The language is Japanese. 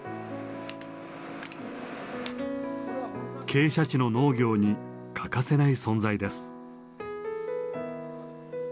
傾斜地の農業に欠かせない存在です。